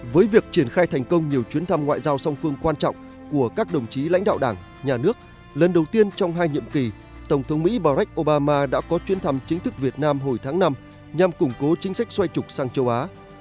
với việc triển khai thành công nhiều chuyến thăm ngoại giao song phương quan trọng của các đồng chí lãnh đạo đảng nhà nước lần đầu tiên trong hai nhiệm kỳ tổng thống mỹ bàrack obama đã có chuyến thăm chính thức việt nam hồi tháng năm nhằm củng cố chính sách xoay trục sang châu á